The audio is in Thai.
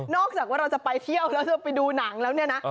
จากว่าเราจะไปเที่ยวแล้วจะไปดูหนังแล้วเนี่ยนะ